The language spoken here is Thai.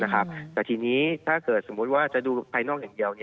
แต่ทีนี้ถ้าเกิดสมมุติว่าจะดูภายนอกอย่างเดียว